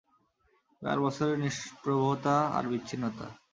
চার বছরের নিষ্প্রভতা আর বিচ্ছিন্নতা।